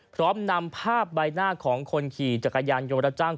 พร้อมนำภาพใบหน้าของคนขี่จักรยานยนต์รับจ้าง